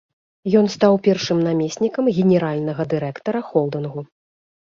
Ён стаў першым намеснікам генеральнага дырэктара холдынгу.